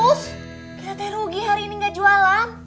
kita teh rugi hari ini ga jualan